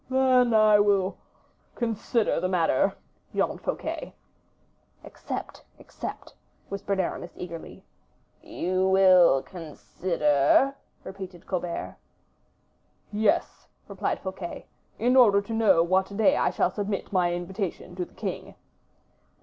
"Then I will consider the matter," yawned Fouquet. "Accept, accept," whispered Aramis, eagerly. "You will consider?" repeated Colbert. "Yes," replied Fouquet; "in order to know what day I shall submit my invitation to the king."